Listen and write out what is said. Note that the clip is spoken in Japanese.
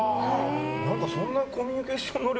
そんなコミュニケーション能力